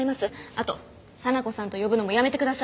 あと「沙名子さん」と呼ぶのもやめて下さい。